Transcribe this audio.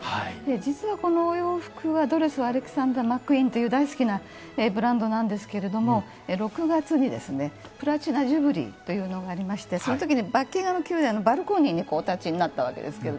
実は、このお洋服はドレスはアレクサンダー・マックイーンという大好きなブランドなんですけど６月にプラチナ・ジュビリーというのがありましてその時にバッキンガム宮殿のバルコニーにお立ちになったんですね。